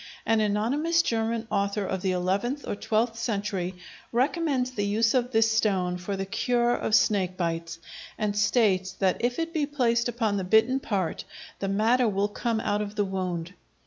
An anonymous German author of the eleventh or twelfth century recommends the use of this stone for the cure of snake bites, and states that if it be placed upon the bitten part the matter will come out from the wound.